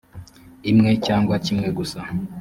imwe cyangwa kimwe gusa